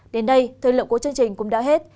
đến đây thời lượng của chương trình cũng đã hết